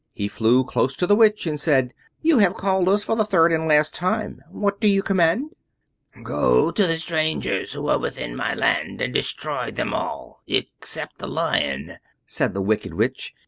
He flew close to the Witch and said, "You have called us for the third and last time. What do you command?" "Go to the strangers who are within my land and destroy them all except the Lion," said the Wicked Witch.